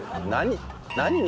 何。